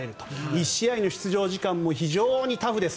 １試合の出場時間も非常にタフです。